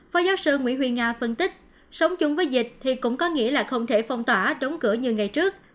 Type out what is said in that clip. phó giáo sư nguyễn huy nga phân tích sống chung với dịch thì cũng có nghĩa là không thể phong tỏa đóng cửa như ngày trước